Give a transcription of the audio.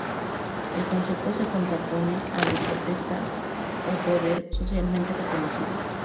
El concepto se contrapone al de "potestas" o "poder" socialmente reconocido.